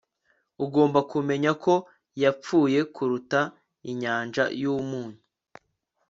ugomba kumenya ko yapfuye kuruta inyanja y'umunyu